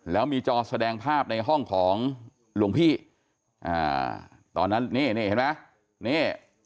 แล้วมีจอแสดงภาพในห้องของหลวงพี่อ่าตอนนั้นนี่นี่เห็นไหมนี่